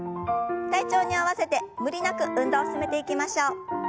体調に合わせて無理なく運動を進めていきましょう。